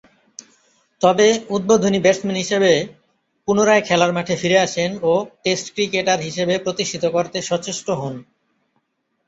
তবে, উদ্বোধনী ব্যাটসম্যান হিসেবে পুনরায় খেলার মাঠে ফিরে আসেন ও টেস্ট ক্রিকেটার হিসেবে প্রতিষ্ঠিত করতে সচেষ্ট হন।